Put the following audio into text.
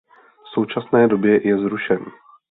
V současné době je zrušen.